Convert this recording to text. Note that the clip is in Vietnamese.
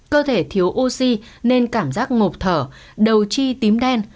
cơ thể thiếu oxy nên cảm giác ngộp thở đầu chi tím đen